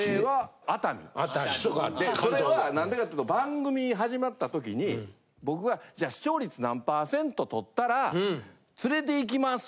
でそれは何でかっていうと番組始まった時に僕がじゃあ視聴率何％とったら連れていきます